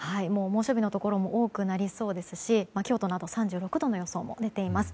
猛暑日のところも多くなりそうですし京都など３６度の予想も出ています。